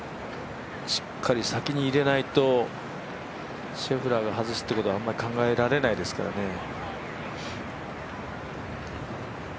しっかり先に入れないとシェフラーが外すということはあまり考えられないですからね。